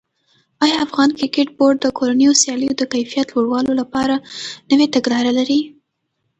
آیا افغان کرکټ بورډ د کورنیو سیالیو د کیفیت لوړولو لپاره نوې تګلاره لري؟